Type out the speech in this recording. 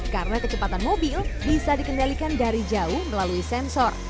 karena kecepatan mobil bisa dikendalikan dari jauh melalui sensor